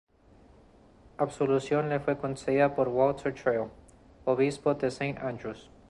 La absolución le fue concedida por Walter Trail, obispo de St Andrews.